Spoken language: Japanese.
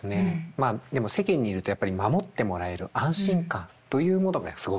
まあでも世間にいるとやっぱり守ってもらえる安心感というものがすごく得られる。